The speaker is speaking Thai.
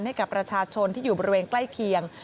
ให้กับประชาชนที่อยู่บริเวณใกล้เคียง